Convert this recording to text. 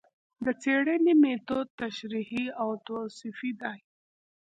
د څېړنې مېتود تشریحي او توصیفي دی